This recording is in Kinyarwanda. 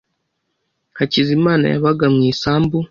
Hakizimana yabaga mu isambu.